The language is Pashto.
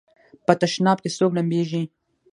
په تشناب کې څوک لمبېږي؟